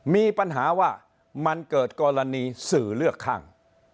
มีปัญหาว่ามันเกิดกรณีสื่อเลือกข้าง